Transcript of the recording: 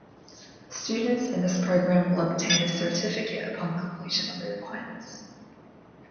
Students in this program will obtain a certificate upon completion of the requirements.